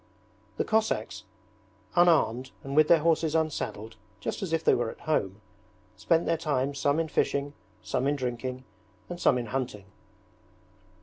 The Cossacks, unarmed and with their horses unsaddled just as if they were at home, spent their time some in fishing, some in drinking, and some in hunting.